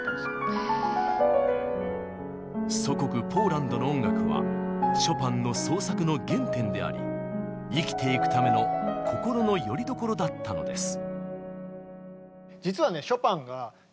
祖国ポーランドの音楽はショパンの創作の原点であり生きていくための心のよりどころだったのです。